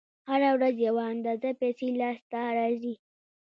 هره ورځ یوه اندازه پیسې لاس ته راځي